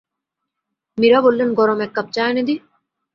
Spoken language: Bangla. মীরা বললেন, গরম এককাপ চা এনে দি?